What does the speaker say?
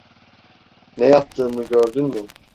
Ne yaptığımı gördün mü?